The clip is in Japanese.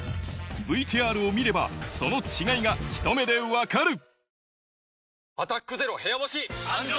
ＶＴＲを見ればその違いがひと目でわかる‼